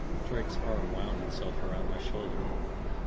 Drake's arm wound itself around my shoulder.